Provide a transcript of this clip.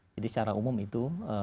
jadi secara umum itu